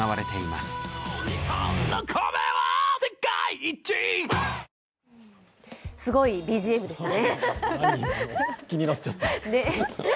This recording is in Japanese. すごいＢＧＭでしたね。